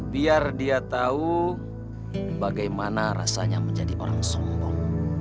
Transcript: biar dia tahu bagaimana rasanya menjadi orang sombong